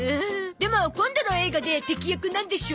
でも今度の映画で敵役なんでしょ？